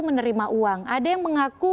menerima uang ada yang mengaku